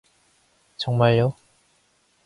정말요?